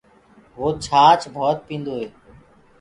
وو ڇآچ ڀوت پيٚندو هي۔